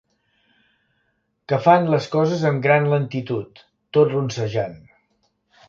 Que fan les coses amb gran lentitud, tot ronsejant.